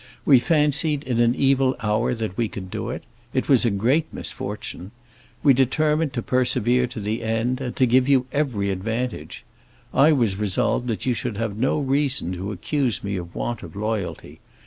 We fancied in an evil hour that we could; it was a great misfortune. We determined to persevere to the end, and to give you every advantage. I was resolved that you should have no reason to accuse me of want of loyalty.